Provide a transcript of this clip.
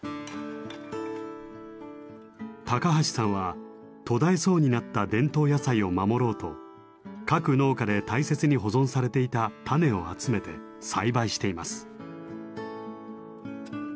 高橋さんは途絶えそうになった伝統野菜を守ろうと各農家で大切に保存されていた種を集めて栽培しています。